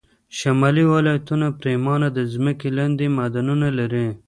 شمالي ولایتونه پرېمانه د ځمکې لاندې معدنونه لري